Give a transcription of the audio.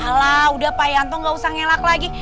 alah udah pak yanto gak usah ngelak lagi